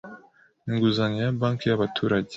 inguzanyo ya banki yabaturage